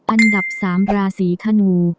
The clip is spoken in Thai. อันดับ๓ราศีธนู